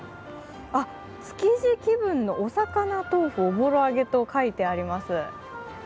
築地気分のお魚とうふおぼろ揚と書いてありますね。